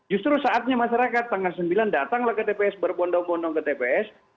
justru saatnya masyarakat tanggal sembilan datanglah ke tps berbondong bondong ke tps